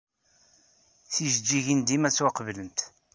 Tijejjigin dima ttwaqbalent.